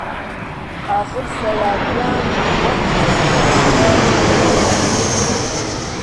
ئاخر سەیادیان وەک تۆ سوێندی خوارد کە کەس باسم نەکا